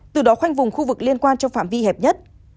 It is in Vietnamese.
từ đó khoanh vùng khu vực liên quan trong phạm vi hẹp nhất